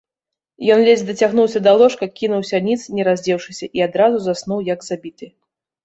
Ён ледзь дацягнуўся да ложка, кінуўся ніц, не раздзеўшыся, і адразу заснуў як забіты.